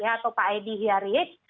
atau pak edy hyariech